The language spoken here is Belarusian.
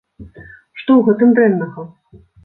Што ў гэтым дрэннага?